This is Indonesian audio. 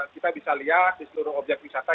kita bisa lihat di seluruh objek wisata